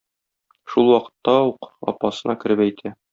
Шул вакытта ук апасына кереп әйтә.